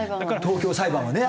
東京裁判はね。